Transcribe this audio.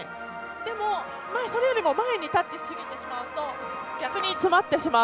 でも、それよりも前にタッチしてしまうと逆に詰まってしまう。